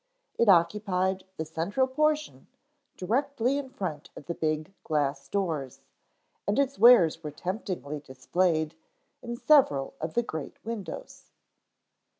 It occupied the central portion directly in front of the big glass doors, and its wares were temptingly displayed in several of the great windows.